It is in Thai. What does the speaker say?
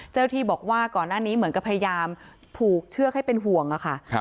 เจ้าที่บอกว่าก่อนหน้านี้เหมือนกับพยายามผูกเชือกให้เป็นห่วงอะค่ะ